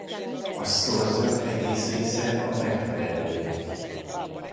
A szorzat egész része a megfelelő jegy.